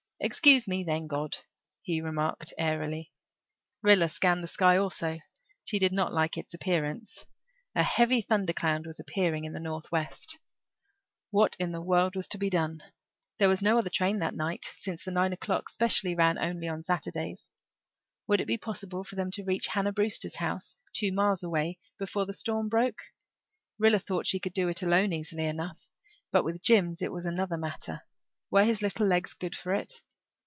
"Excuse me, then, God," he remarked airily. Rilla scanned the sky also; she did not like its appearance; a heavy thundercloud was appearing in the northwest. What in the world was to be done? There was no other train that night, since the nine o'clock special ran only on Saturdays. Would it be possible for them to reach Hannah Brewster's house, two miles away, before the storm broke? Rilla thought she could do it alone easily enough, but with Jims it was another matter. Were his little legs good for it?